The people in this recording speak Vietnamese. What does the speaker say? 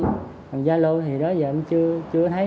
tài khoản gia lô thì đó giờ em chưa thấy